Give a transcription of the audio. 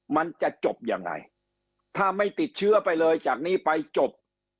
มันจะจบยังไงถ้าไม่ติดเชื้อไปเลยจากนี้ไปจบ